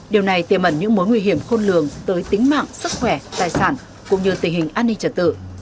điều này tiềm ẩn những mối nguy hiểm khôn lường tới tính mạng sức khỏe tài sản cũng như tình hình an ninh trật tự